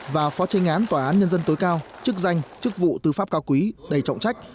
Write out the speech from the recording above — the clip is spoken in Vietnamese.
và phó tranh án tòa án nhân dân tối cao chức danh chức vụ tư pháp cao quý đầy trọng trách